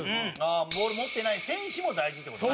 山崎：ボール持ってない選手も大事って事ね。